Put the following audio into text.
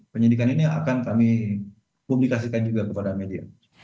penyidikan ini akan kami publikasikan juga kepada media